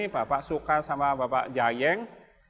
bapak suka sama bapak jayeng